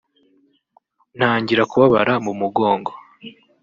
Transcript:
ntangira kubabara mu mugongo